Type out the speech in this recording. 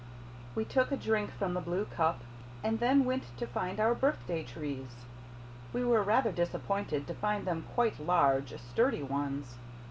We took a drink from the blue cup and then went to find our birthday trees. We were rather disappointed to find them quite large, sturdy ones.